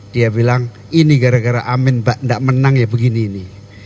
dia bilang ini gara gara amin tidak menang ya begini ini